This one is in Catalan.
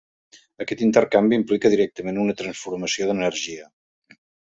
Aquest intercanvi implica directament una transformació d'energia.